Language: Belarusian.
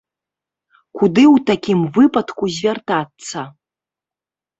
Куды ў такім выпадку звяртацца?